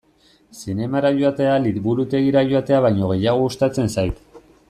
Zinemara joatea liburutegira joatea baino gehiago gustatzen zait.